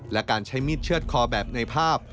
และการใช้มีดเชื่อดคอแบบในภาพ